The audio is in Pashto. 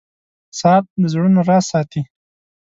• ساعت د زړونو راز ساتي.